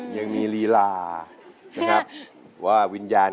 มันเป็นอีกบริการ